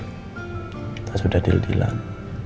kita sudah deal dealan